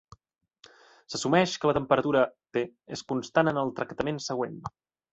S'assumeix que la temperatura, "T", és constant en el tractament següent.